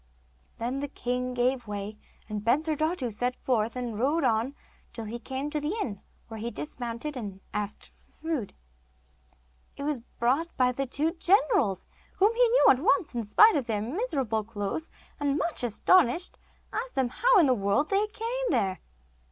Then the king gave way, and Bensurdatu set forth, and rode on till he came to the inn, where he dismounted and asked for food. It was brought by the two generals, whom he knew at once in spite of their miserable clothes, and, much astonished, asked them how in the world they came there.